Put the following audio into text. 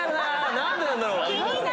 何でなんだろう？